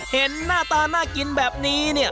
เห็นหน้าตาน่ากินแบบนี้เนี่ย